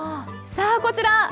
さあ、こちら。